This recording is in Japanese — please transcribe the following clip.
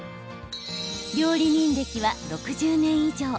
料理人歴は６０年以上。